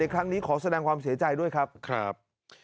ครั้งนี้ขอแสดงความเสียใจด้วยครับ